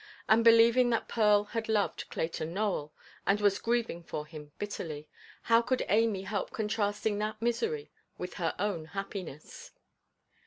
And believing that Pearl had loved Clayton Nowell, and was grieving for him bitterly, how could Amy help contrasting that misery with her own happiness?